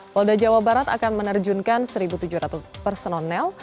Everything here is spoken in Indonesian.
polda jawa barat akan menerjunkan satu tujuh ratus personel